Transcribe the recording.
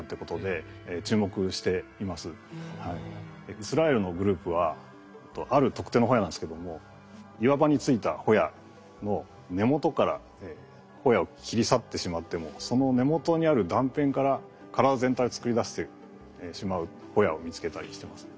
イスラエルのグループはある特定のホヤなんですけども岩場についたホヤの根元からホヤを切り去ってしまってもその根元にある断片から体全体を作り出してしまうホヤを見つけたりしてますね。